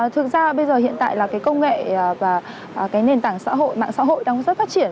thực ra bây giờ hiện tại là cái công nghệ và cái nền tảng xã hội mạng xã hội đang rất phát triển